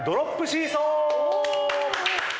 シーソー。